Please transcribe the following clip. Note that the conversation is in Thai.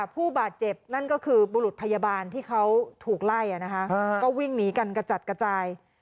ผู้บาดเจ็บนั่นก็คือบุรุษพยาบาลที่เขาถูกไล่ก็วิ่งหนีกันกระจัดกระจาย